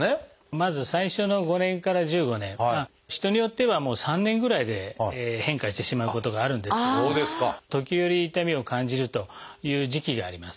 まず最初の５年から１５年人によっては３年ぐらいで変化してしまうことがあるんですけど時折痛みを感じるという時期があります。